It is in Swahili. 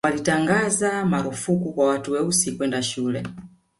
walitangaza marufuku kwa watu weusi kwenda shule